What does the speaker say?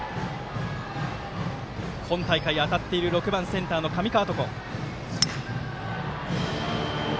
今大会、当たっている６番センターの上川床。